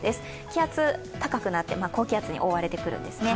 気圧、高くなって高気圧に覆われてくるんですね。